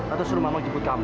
atau suruh mama jemput kamu